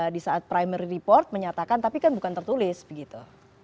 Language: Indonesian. di saat primary report menyatakan tapi kan bukan tertulis begitu